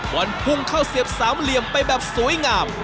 บอลพุ่งเข้าเสียบสามเหลี่ยมไปแบบสวยงาม